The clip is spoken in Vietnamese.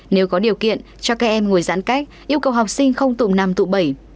nếu có điều kiện cho các em ngồi giãn cách yêu cầu học sinh không tùm năm tùm bảy